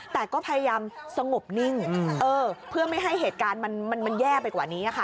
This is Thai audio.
แต่ก็พยายามสงบนิ่งเพื่อไม่ให้เหตุการณ์มันแย่ไปกว่านี้ค่ะ